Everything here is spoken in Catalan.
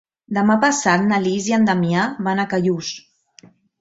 Demà passat na Lis i en Damià van a Callús.